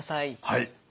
はい。